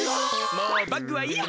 もうバッグはいいや！